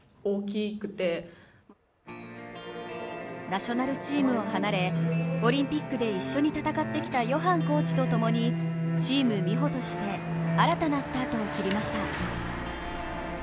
ナショナルチームを離れオリンピックで一緒に戦ってきたヨハンコーチと共にＴｅａｍＭＩＨＯとして新たなスタートを切りました。